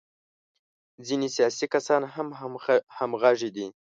ځینې سیاسي کسان هم همغږي دي.